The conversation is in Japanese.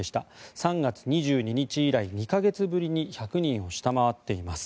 ３月２２日以来２か月ぶりに１００人を下回っています。